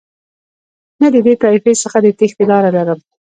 نه د دې طایفې څخه د تېښتې لاره لرم.